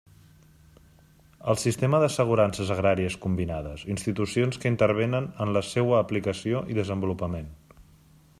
El sistema d'assegurances agràries combinades: institucions que intervenen en la seua aplicació i desenvolupament.